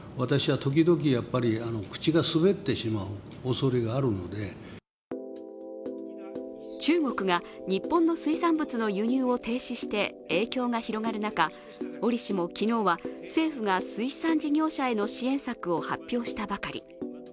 これに対し、記者からは中国が日本の水産物の輸入を停止して影響が広がる中、折しも昨日は、政府が水産事業者への支援策を発表したばかり。